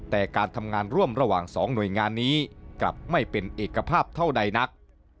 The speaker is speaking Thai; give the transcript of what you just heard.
แต่การทำงานร่วมระหว่าง๒หน่วยงานนี้กลับไม่เป็นเอกภาพเท่าใดนัก